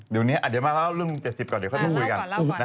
เดี๋ยวมาเล่าเรื่อง๗๐ก่อนเดี๋ยวค่อนข้างพูดกัน